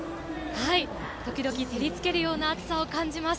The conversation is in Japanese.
時々、照りつけるような暑さを感じます。